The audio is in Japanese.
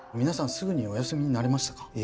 皆さんすぐにお休みになれましたか？